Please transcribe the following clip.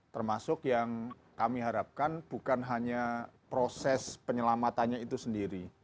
termasuk yang kami harapkan bukan hanya proses penyelamatannya itu sendiri